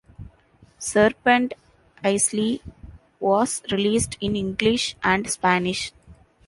"Serpent Isle" was released in English and Spanish.